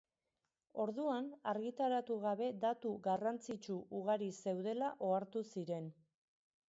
Orduan, argitaratu gabe datu garrantzitsu ugari zeudela ohartu ziren.